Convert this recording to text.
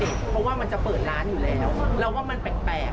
เพราะว่ามันจะเปิดร้านอยู่แล้วเราว่ามันแปลก